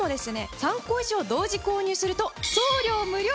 ３個以上同時購入すると送料無料だそうです。